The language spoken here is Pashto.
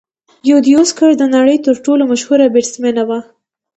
یوديوسکر د نړۍ تر ټولو مشهوره بیټسمېنه وه.